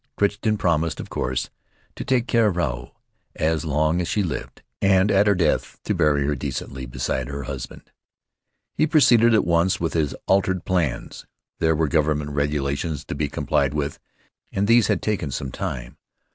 Crichton promised, of course, to take care of Ruau as long as she lived, and at her death to bury her decently beside her husband. He proceeded at once with his altered plans. There were government regulations to be complied with and these had taken some time.